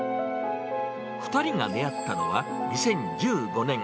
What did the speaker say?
２人が出会ったのは２０１５年。